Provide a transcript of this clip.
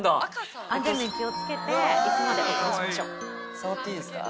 触っていいですか？